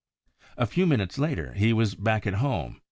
A few minutes later, he was back at home.